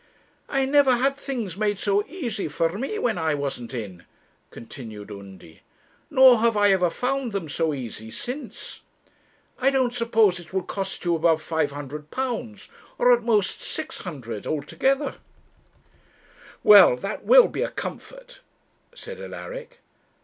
'I never had things made so easy for me when I wasn't in,' continued Undy; 'nor have I ever found them so easy since. I don't suppose it will cost you above £500, or at most £600, altogether.' 'Well, that will be a comfort,' said Alaric.